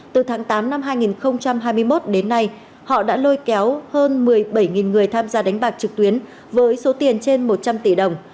từ tháng tám năm hai nghìn hai mươi một đến nay họ đã lôi kéo hơn một mươi bảy người tham gia đánh bạc trực tuyến với số tiền trên một trăm linh tỷ đồng